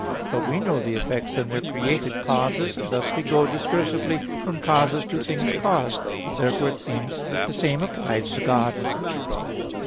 But we know the effects in their created causes; and thus we go discursively from causes to things caused. Therefore it seems that the same applies to God.